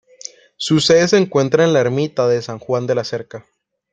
Su sede se encuentra en la ermita de San Juan de la Cerca.